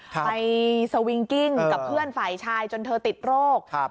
ไปสวิงกิ้งกับเพื่อนฝ่ายชายจนเธอติดโรค